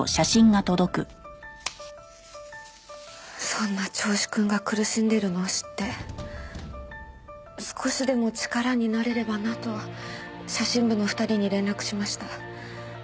そんな銚子くんが苦しんでるのを知って少しでも力になれればなと写真部の２人に連絡しました。